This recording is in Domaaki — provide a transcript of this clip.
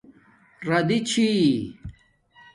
رادی چھی